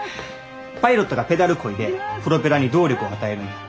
パイロットがペダルこいでプロペラに動力を与えるんや。